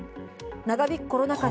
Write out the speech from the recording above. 長引くコロナ禍で。